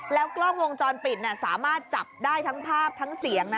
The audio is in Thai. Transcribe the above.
แล้วกล้องวงจรปิดสามารถจับได้ทั้งภาพทั้งเสียงนะ